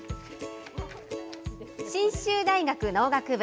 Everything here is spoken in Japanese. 信州大学農学部。